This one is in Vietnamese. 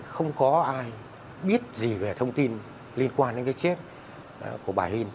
không có ai biết gì về thông tin liên quan đến chiếc của bà hìn